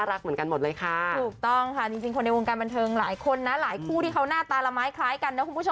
เรียกว่าปังมาก